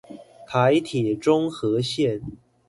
台鐵中和線